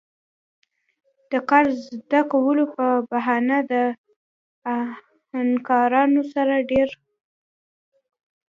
د کار زده کولو پۀ بهانه د آهنګرانو سره دېره کړل